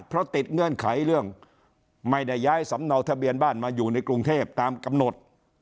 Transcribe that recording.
เพราะติดเงื่อนไขเรื่องไม่ได้ย้ายสำเนาทะเบียนบ้านมาอยู่ในกรุงเทพตามกำหนด